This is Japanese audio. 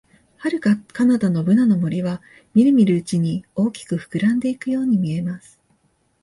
遥か彼方のブナの森は、みるみるうちに大きく膨らんでいくように見えます。